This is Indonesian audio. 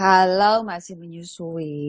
kalau masih menyusui